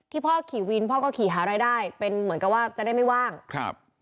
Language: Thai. พ่อขี่วินพ่อก็ขี่หารายได้เป็นเหมือนกับว่าจะได้ไม่ว่างครับ